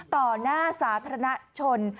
ต่อหน้าสาธารณชน